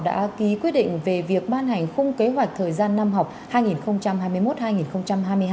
đã ký quyết định về việc ban hành khung kế hoạch thời gian năm học hai nghìn hai mươi một hai nghìn hai mươi hai